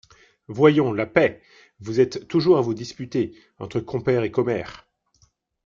Voyons ! la paix ! vous êtes toujours à vous disputer… entre compère et commère…